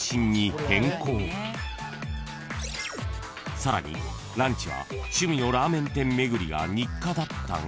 ［さらにランチは趣味のラーメン店巡りが日課だったが］